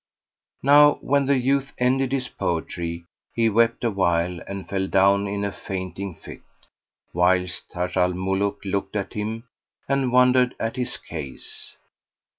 Now when the youth ended his poetry he wept awhile and fell down in a fainting fit, whilst Taj al Muluk looked at him and wondered at his case.